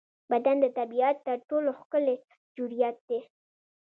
بدن د طبیعت تر ټولو ښکلی جوړڻت دی.